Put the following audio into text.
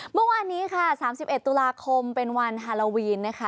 เมื่อวานนี้ค่ะ๓๑ตุลาคมเป็นวันฮาโลวีนนะคะ